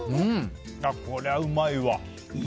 こりゃうまいわ。